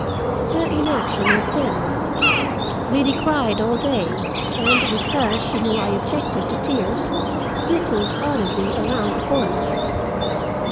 The inaction was deadly. Liddy cried all day, and, because she knew I objected to tears, sniffled audibly around the corner.